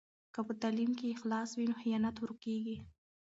که په تعلیم کې اخلاص وي نو خیانت ورکېږي.